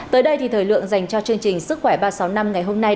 tới đây thì thời lượng dành cho chương trình sức khỏe ba trăm sáu mươi năm ngày hôm nay